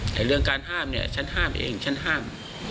แต่เรื่องการห้ามเนี่ยฉันห้ามเองฉันห้าม